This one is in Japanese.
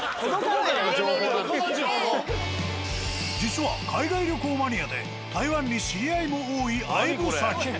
実は海外旅行マニアで台湾に知り合いも多い相武紗季。